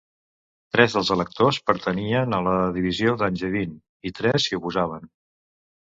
Tres dels electors pertanyien a la divisió d'Angevin, i tres s'hi oposaven.